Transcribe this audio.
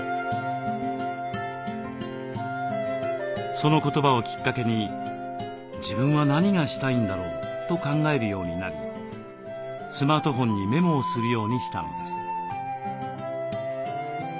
その言葉をきっかけに「自分は何がしたいんだろう？」と考えるようになりスマートフォンにメモをするようにしたのです。